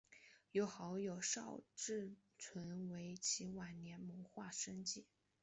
由好友邵志纯为其晚年摹划生计。